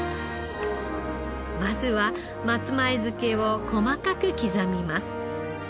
まずは松前漬けを細かく刻みます。